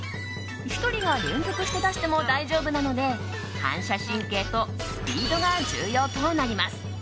１人が連続して出しても大丈夫なので反射神経とスピードが重要となります。